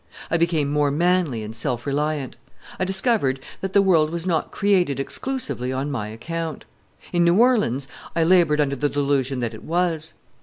I became more manly and self reliant. I discovered that the world was not created exclusively on my account. In New Orleans I labored under the delusion that it was.